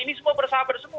ini semua bersahabat semua